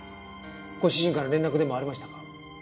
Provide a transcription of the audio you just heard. ご主人から連絡でもありましたか？